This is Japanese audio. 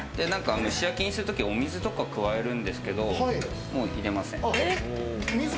蒸し焼きにする時、お水とか加えるんですけど、もう入れません。